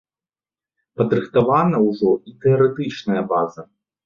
Падрыхтавана ўжо і тэарэтычная база.